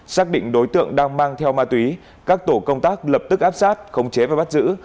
xác định đối tượng đang mang theo ma túy các tổ công tác lập tức áp sát khống chế và bắt giữ